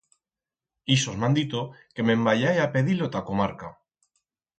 Ixos m'han dito que me'n vayai a pedir-lo t'a comarca.